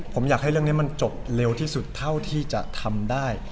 ผมอยากให้เรื่องนี้มันจบเร็วที่สุดเท่าที่จะทำได้